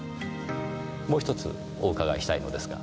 もう１つお伺いしたいのですが。